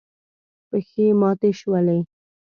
پښې ماتې شولې.